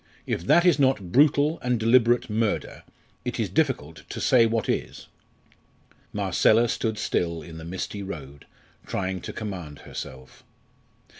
If that is not brutal and deliberate murder, it is difficult to say what is!" Marcella stood still in the misty road trying to command herself.